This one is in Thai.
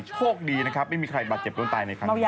โชคดีนะครับไม่มีใครบาดเจ็บโดนตายในครั้งนี้